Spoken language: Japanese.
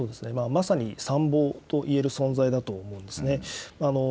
まさに参謀といえる存在だと思うんですね。